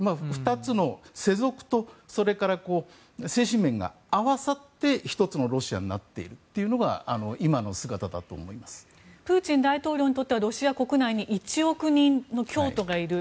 ２つの、世俗とそれから精神面が合わさって１つのロシアになっているというのがプーチン大統領にとってはロシア国内に１億人の教徒がいる。